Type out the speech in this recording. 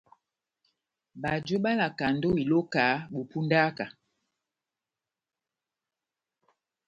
Bajo bálakandi ó iloka bó pundaka.